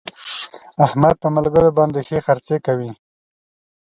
احمد په ملګرو باندې ښې خرڅې کوي.